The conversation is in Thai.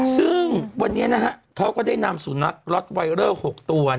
ซึ่งวันนี้นะฮะเขาก็ได้นำสุนัขล็อตไวเลอร์๖ตัว